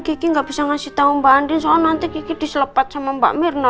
geki gak bisa ngasih tau mbak andin soalnya nanti geki diselepat sama mbak mirna